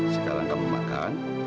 sekarang kamu makan